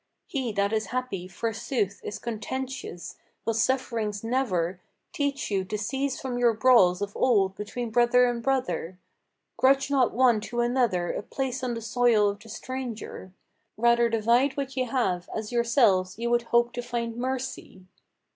He that is happy, forsooth, is contentious! Will sufferings never Teach you to cease from your brawls of old between brother and brother? Grudge not one to another a place on the soil of the stranger; Rather divide what ye have, as yourselves, ye would hope to find mercy."